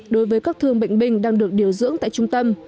đối với các thương bệnh binh đang được điều dưỡng tại trung tâm